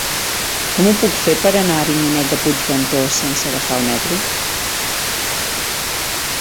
Com ho puc fer per anar a Avinyonet de Puigventós sense agafar el metro?